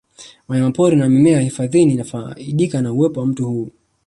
Wanyamapori na mimea hifadhini inafaidika na uwepo wa mto huu